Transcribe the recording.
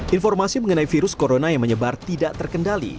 informasi mengenai virus corona yang menyebar tidak terkendali